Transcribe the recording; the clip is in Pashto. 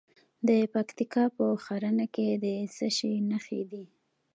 د پکتیکا په ښرنه کې د څه شي نښې دي؟